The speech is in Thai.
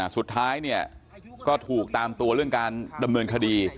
สุดท้ายเนี่ยก็ถูกตามตัวเรื่องการดำเนินคดี